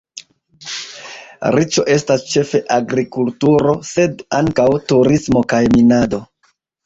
Riĉo estas ĉefe agrikulturo, sed ankaŭ turismo kaj minado.